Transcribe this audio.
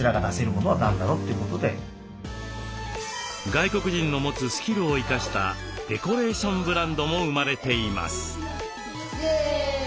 外国人の持つスキルを生かしたデコレーションブランドも生まれています。